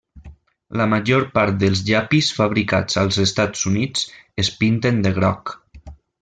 La major part dels llapis fabricats als Estats Units es pinten de groc.